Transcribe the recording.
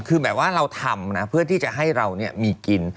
คือแบบว่าเราทำนะเพื่อที่จะให้เรามีกิน